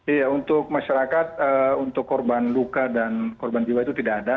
iya untuk masyarakat untuk korban luka dan korban jiwa itu tidak ada